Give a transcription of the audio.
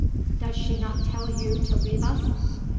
Does she not tell you to leave us?"